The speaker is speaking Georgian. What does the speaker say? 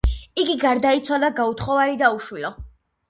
იგი გარდაიცვალა გაუთხოვარი და უშვილო.